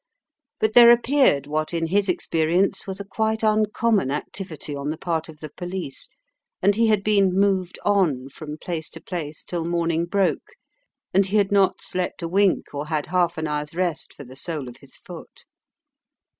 But there appeared what in his experience was a quite uncommon activity on the part of the police, and he had been "moved on" from place to place till morning broke, and he had not slept a wink or had half an hour's rest for the sole of his foot.